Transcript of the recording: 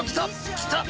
きた！